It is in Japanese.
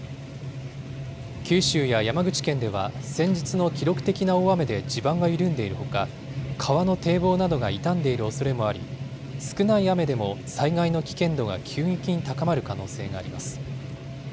九州や山口県では先日の記録的な大雨で地盤が緩んでいるほか、川の堤防などが傷んでいるおそれもあり、少ない雨でも災害の危険度が急激に高まる可能性があります。